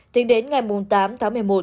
tính đến ngày tám tháng một mươi một